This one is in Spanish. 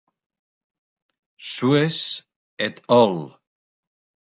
Sues "et al.